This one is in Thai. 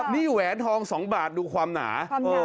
นี่แหวนทอง๒บาทดูความหนา